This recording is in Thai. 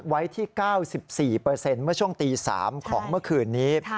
ไว้ที่๙๔เมื่อช่วงตี๓ของเมื่อคืนนี้